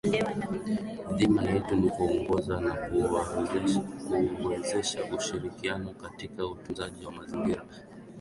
Dhima yetu ni kuongoza na kuwezesha ushirikiano katika utunzaji wa mazingira